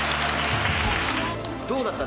どうだった？